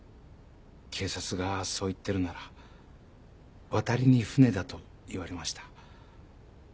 「警察がそう言ってるなら渡りに船だ」と言われました。